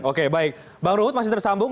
oke baik bang ruhut masih tersambung